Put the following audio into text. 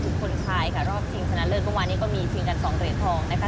คนไทยค่ะรอบชิงชนะเลิศเมื่อวานนี้ก็มีชิงกันสองเหรียญทองนะคะ